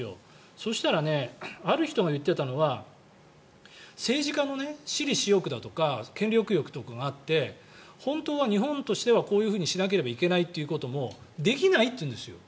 そしたら、ある人が言ってたのは政治家も、私利私欲だとか権力欲とかがあって本当は日本としてはこういうふうにしなければいけないということもできないっていうんですよ。